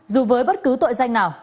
dù với bất cứ tội danh nào